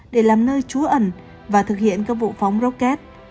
để làm nơi trú ẩn và thực hiện các vụ phóng rocket